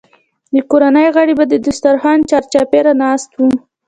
د کورنۍ غړي به د دسترخوان چارچاپېره ناست وو.